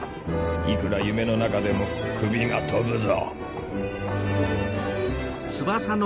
いくら夢の中でも首が飛ぶぞ。